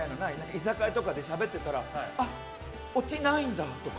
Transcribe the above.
居酒屋とかでしゃべってたらあ、オチないんだとか。